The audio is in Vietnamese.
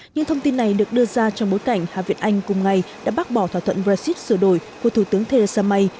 những thông tin này được đưa ra trong bối cảnh hà việt anh cùng ngày đã bác bỏ thỏa thuận brexit sửa đổi của thủ tướng theresa may